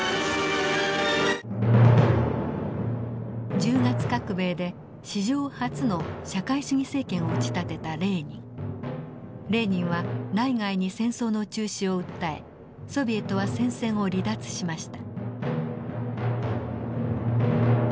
十月革命で史上初の社会主義政権を打ち立てたレーニンは内外に戦争の中止を訴えソビエトは戦線を離脱しました。